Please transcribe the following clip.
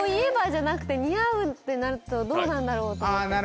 じゃなくて「似合う」ってなるとどうなんだろうと思って。